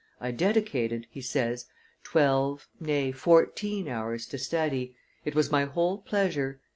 "I dedicated," he says, " twelve, nay, fourteen, hours to study; it was my whole pleasure.